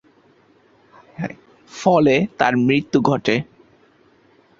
ফলে তার মৃত্যু ঘটে।